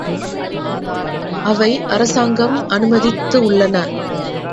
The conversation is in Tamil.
அவை அரசாங்கம் அனுமதித்து உள்ளன.